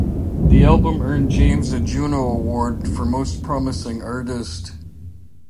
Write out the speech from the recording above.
The album earned James a Juno Award for "Most Promising Artist".